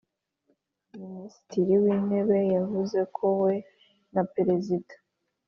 Minisitiri w’intebe yavuze ko we na perezida